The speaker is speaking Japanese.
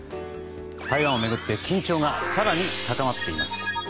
台湾を巡って緊張が更に高まっています。